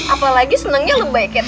apalagi senangnya lembaiketan